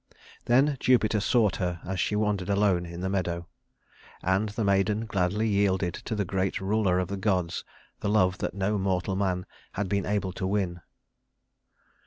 Then Jupiter sought her as she wandered alone in the meadow; and the maiden gladly yielded to the great ruler of the gods the love that no mortal man had been able to win.